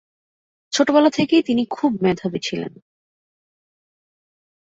ছোটবেলা থেকেই তিনি খুব মেধাবী ছিলেন।